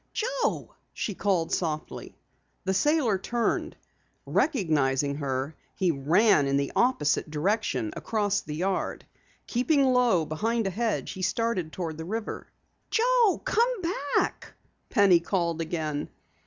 "Joe!" she called softly. The sailor turned. Recognizing her, he ran in the opposite direction across the yard. Keeping low behind a hedge, he started toward the river. "Joe! Come back!" Penny called again.